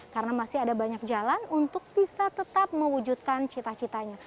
karena masih ada banyak jalan untuk bisa tetap mewujudkan cita citanya